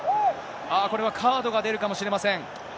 これはカードが出るかもしれません。